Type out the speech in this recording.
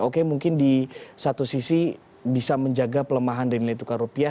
oke mungkin di satu sisi bisa menjaga pelemahan dari nilai tukar rupiah